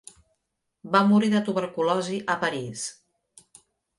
Va morir de tuberculosi a París.